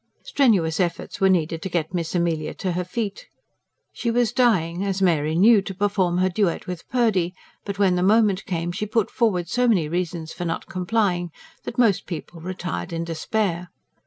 Strenuous efforts were needed to get Miss Amelia to her feet. She was dying, as Mary knew, to perform her duet with Purdy; but when the moment came she put forward so many reasons for not complying that most people retired in despair.